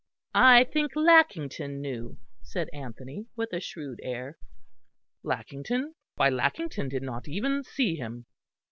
"I think Lackington knew," said Anthony, with a shrewd air. "Lackington! Why, Lackington did not even see him."